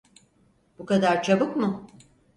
Bu kadar çabuk mu?